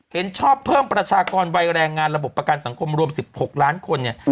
เห็นชอบเพิ่มประชากรวัยแรงงานระบบประกันสังคมรวม๑๖ล้านคนเนี่ย